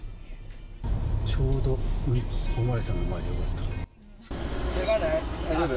ちょうどお巡りさんの前でよけがない？